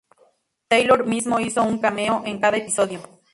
Taylor mismo hizo un cameo en cada episodio.